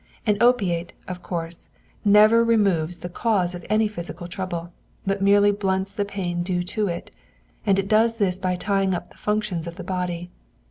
An opiate, of course, never removes the cause of any physical trouble, but merely blunts the pain due to it; and it does this by tying up the functions of the body.